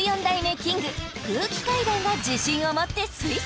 キング空気階段が自信を持って推薦